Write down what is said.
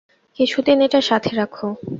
কিছুদিন এটা সাথে রাখো।